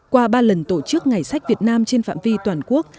qua ba lần tổ chức ngày sách việt nam trên phạm vi toàn quốc